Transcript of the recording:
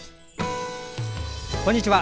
こんにちは。